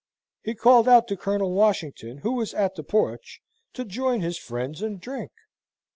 He called out to Colonel Washington, who was at the porch, to join his friends, and drink.